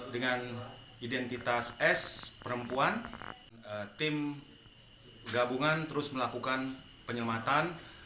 dengan identitas s perempuan tim gabungan terus melakukan penyelamatan